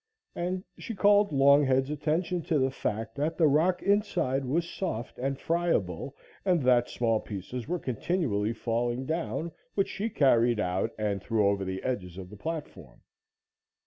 and she called Longhead's attention to the fact that the rock inside was soft and friable, and that small pieces were continually falling down, which she carried out and threw over the edges of the platform.